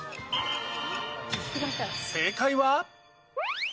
正解は。